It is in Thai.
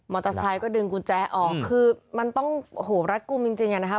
มอเตอร์ไซด์ก็ดึงกุญแจออกคือมันต้องรักกุมจริงอย่างนี้นะคะ